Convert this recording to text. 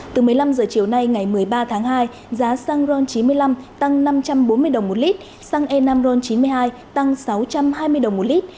từ một mươi năm h chiều nay ngày một mươi ba tháng hai giá xăng ron chín mươi năm tăng năm trăm bốn mươi đồng một lít xăng e năm ron chín mươi hai tăng sáu trăm hai mươi đồng một lít